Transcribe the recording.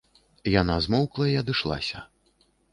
Яна змоўкла і адышлася.